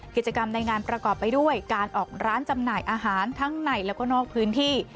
กิจกรรมในงานประกอบไปด้วยการออกร้านจำหน่ายอาหารทั้งในแล้วก็นอกพื้นที่